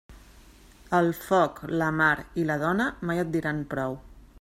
El foc, la mar i la dona mai et diran prou.